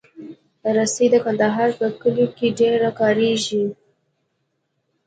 رسۍ د کندهار په کلیو کې ډېره کارېږي.